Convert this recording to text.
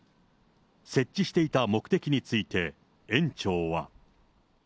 設置していた目的について、園長は。